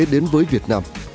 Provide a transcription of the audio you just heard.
đến với việt nam